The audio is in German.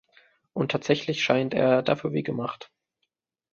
Und tatsächlich scheint er dafür wie gemacht.